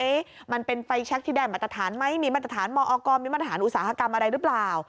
มันเป็นไฟแชคที่ได้มาตรฐานไหมมีมาตรฐานมอกรมีมาตรฐานอุตสาหกรรมอะไรหรือเปล่า